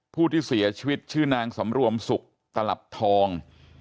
ผู้ที่เสียชีวิตชื่อนางสำรวมสุขตลับทอง